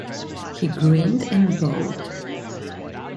He grinned and bowed.